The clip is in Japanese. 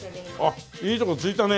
あっいいとこついたね。